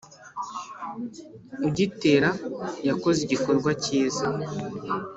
ugitera yakoze igikorwa cyiza